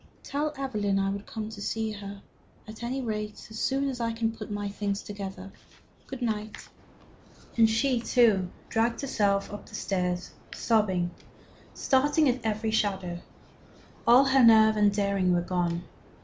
"Tell Evelyn I will come to see her, at any rate, as soon as I can put my things together. Good night." And she, too, dragged herself up stairs sobbing, starting at every shadow. All her nerve and daring were gone.